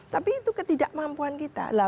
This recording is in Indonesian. tapi itu ketidakmampuan kita